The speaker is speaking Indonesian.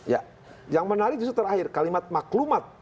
iya yang menarik terakhir kalimat maklumat